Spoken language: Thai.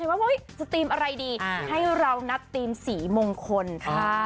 ว่าจะทีมอะไรดีให้เรานัดธีมสีมงคลค่ะ